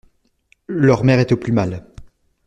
«Leur mère est au plus mal.